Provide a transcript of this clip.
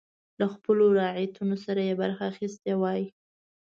له خپلو رعیتو سره یې برخه اخیستې وای.